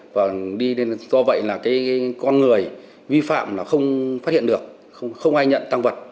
và do vậy là con người vi phạm là không phát hiện được không ai nhận tăng vật